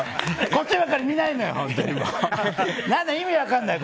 こっちばかり見ないでよ。